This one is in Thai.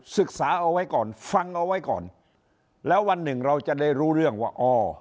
ศึกษาเอาไว้ก่อนฟังเอาไว้ก่อนแล้ววันหนึ่งเราจะได้รู้เรื่องว่าอ๋อ